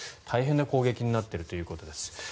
大変な攻撃になっているということです。